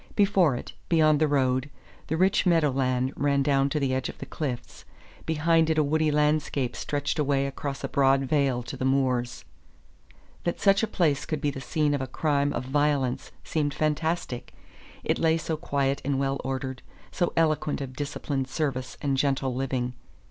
Before it, beyond the road, the rich meadow land ran down to the edge of the cliffs; behind it a woody landscape stretched away across a broad vale to the moors. That such a place could be the scene of a crime of violence seemed fantastic; it lay so quiet and well ordered, so eloquent of disciplined service and gentle living.